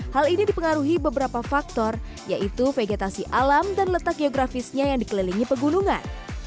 hal ini dipengaruhi beberapa faktor yaitu vegetasi alam dan letak geografisnya yang dikelilingi pegunungan